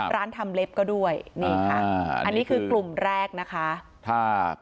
ร้านทำเล็บก็ด้วยอันนี้คือกลุ่มแรกนะคะ